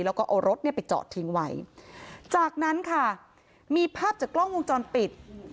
แล้วก็เอารถเนี่ยไปจอดทิ้งไว้จากนั้นค่ะมีภาพจากกล้องวงจรปิด